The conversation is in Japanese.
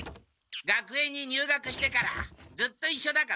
学園に入学してからずっといっしょだからな。